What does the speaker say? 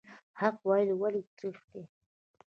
حق ویل ولې ترخه دي؟